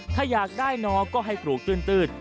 ถ้าอยากได้นอก็ให้ปลูกตื้น